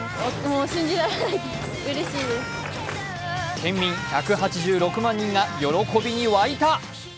県民１８６万人が喜びに沸いた。